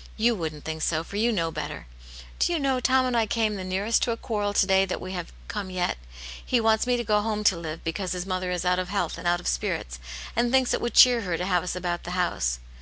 " You wouldn't think so, for you know better. Do you know Tom and I came the nearest to a quarrel to day that we have come yet. He wants me to go home to live, because his mother is out of health and out of spirits, and thinks it would cheer her to have us about the house.